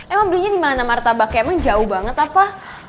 emang belinya dimana martabak ya emang jauh banget apa